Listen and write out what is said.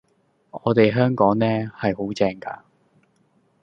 我哋香港呢，係好正㗎！